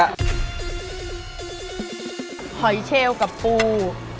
หอยเชลเว่ากับปู